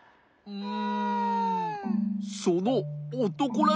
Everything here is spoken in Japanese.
うん。